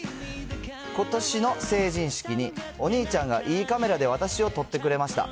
ことしの成人式に、お兄ちゃんがいいカメラで私を撮ってくれました。